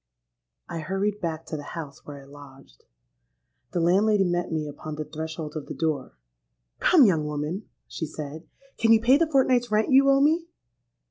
"I hurried back to the house where I lodged. The landlady met me upon the threshold of the door. 'Come, young woman,' she said, 'can you pay the fortnight's rent you owe me?'